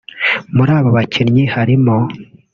muri abo bakinnyi harimo